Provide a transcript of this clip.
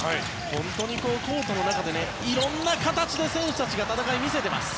本当にコートの中で色んな形で選手たちが戦いを見せています。